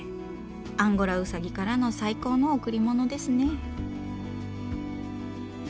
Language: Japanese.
アンゴラウサギからの最高の贈り物ですね。